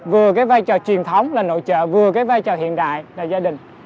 vừa cái vai trò truyền thống là nội trợ vừa cái vai trò hiện đại là gia đình